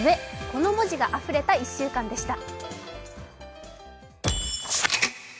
この文字があふれた１週間でした。